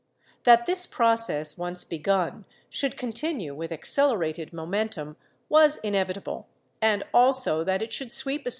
That this process, once begun, should continue with accelerated momentum was inevitable, and also that it should sweep aside 1 Koska Vayo, III, 393 425.